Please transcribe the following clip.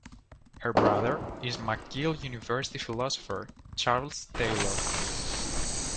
Her brother is McGill University philosopher Charles Taylor.